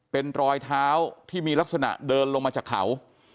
เป็นรอยเท้าที่มีลักษณะเดินลงมาจากเขา